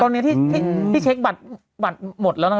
ตรงนี้ที่ที่ที่ที่เฉคบัตรบาตรหมดแล้วนะ